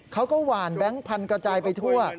เขาก็หวานแบงค์พันธุ์กระจายไปทั่ว